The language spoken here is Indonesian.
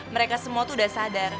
mereka semua tuh udah sadar